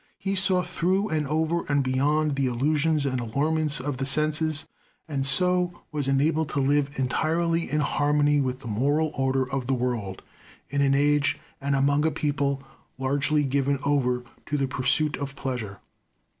He saw through and over and beyond the illusions and allurements of the senses, and so was enabled to live entirely in harmony with the moral order of the world, in an age, and among a people, largely given over to the pursuit of pleasure.